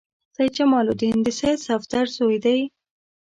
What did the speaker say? سید جمال الدین د سید صفدر زوی دی.